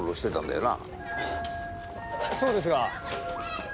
そうですが。